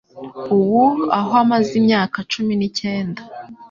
Ubu aho amaze imyaka cumi nicyenda